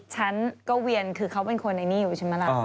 ฉันก็เวียนคือเขาเป็นคนไอ้นี่อยู่ใช่ไหมล่ะ